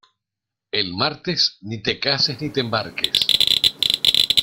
En martes ni te cases ni te embarques.